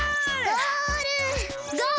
ゴール！